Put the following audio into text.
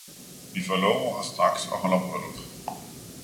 vi forlover os straks og holder bryllup.